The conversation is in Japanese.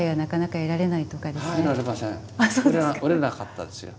売れなかったですよ。